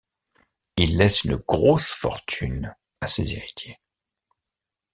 Il laisse une grosse fortune à ses héritiers.